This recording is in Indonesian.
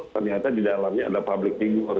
ternyata di dalamnya ada public figure